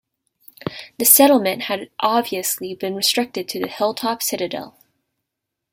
The settlement had obviously been restricted to the hilltop citadel.